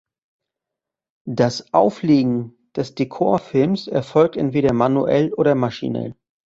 Das Auflegen des Dekor-Films erfolgt entweder manuell oder maschinell.